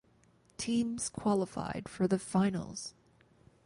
Teams qualified for the finals